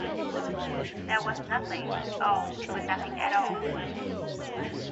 That was nothing — oh, but nothing at all.